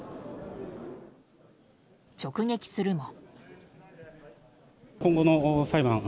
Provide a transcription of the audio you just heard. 直撃するも。